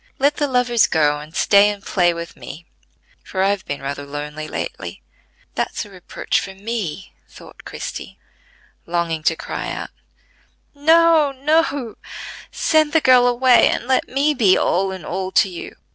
Let the lovers go, and stay and play with me, for I've been rather lonely lately." "That's a reproach for me," thought Christie, longing to cry out: "No, no; send the girl away and let me be all in all to you."